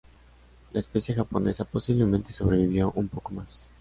La especie japonesa posiblemente sobrevivió un poco más.